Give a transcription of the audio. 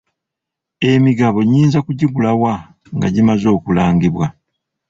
Emigabo nnyinza kugigula wa nga gimaze okulangibwa?